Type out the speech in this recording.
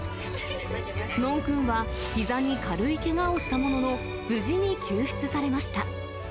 ノンくんはひざに軽いけがをしたものの、無事に救出されました。